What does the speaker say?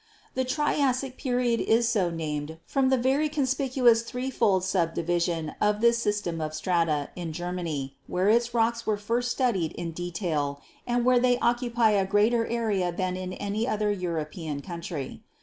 "The Triassic Period is so named from the very con spicuous threefold subdivision of this system of strata in Germany, where its rocks were first studied in detail and where they occupy a greater area than in any other Euro pean country.